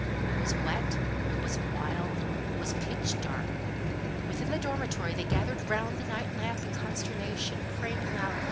It was wet, it was wild, it was pitch dark. Within the dormitory they gathered round the night lamp in consternation, praying loud.